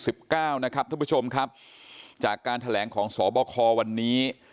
สิบเก้านะครับทุกผู้ชมครับจากการแถลงของสอบคอวันนี้